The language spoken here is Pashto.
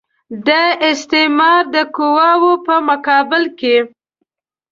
د استعمار د قواوو په مقابل کې.